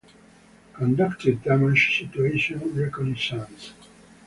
Conducted damage situation reconnaissance.